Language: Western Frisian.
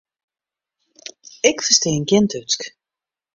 Ik ferstean gjin Dútsk.